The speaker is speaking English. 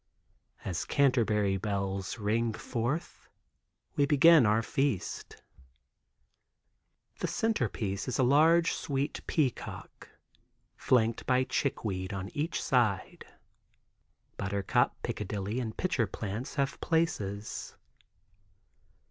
As Canterbury "bells" ring forth, we begin a feast. The centerpiece is a large "sweet pea"cock, flanked by "chick"weed on each side, "butter"cup, "pica"lily and "pitcher"plant have places.